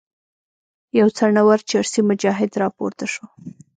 یو څڼور چرسي مجاهد راپورته شو.